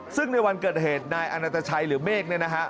ซึ่งในวันเกิดเหตุนายอนัตชัยหรือเมฆเนี่ยนะฮะ